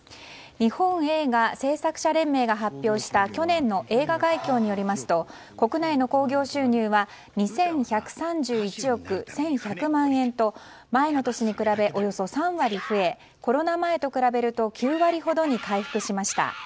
日本映画製作者連盟が発表した去年の映画概況によりますと国内の興行収入は２１３１億１１００万円と前の年に比べおよそ３割増えコロナ前と比べると９割ほどに回復しました。